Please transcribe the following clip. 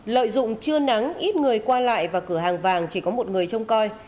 lợi dụng chưa nắng ít người qua lại và cửa hàng vàng chỉ có một người trông coi